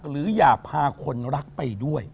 หรืออย่าพาคนรักไปด้วย